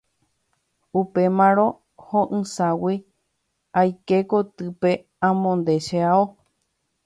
Upémarõ ho'ysãgui aike kotýpe amonde che ao.